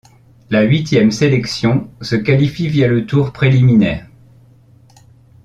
La huitième sélection se qualifie via le tour préliminaire.